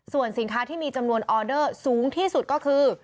ส่วนสินค้าที่มีจำนวนออเดอร์สูงที่สุดก็คือ